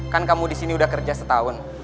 kan kamu di sini udah kerja setahun